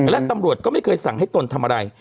และตำรวจก็ไม่เคยสั่งให้ตนทำอะไร